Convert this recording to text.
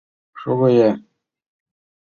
— Шого-я!